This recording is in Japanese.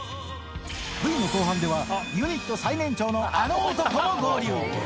Ｖの後半では、ユニット最年長のあの男も合流。